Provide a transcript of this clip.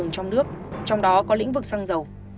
trong đó có lĩnh vực xăng dầu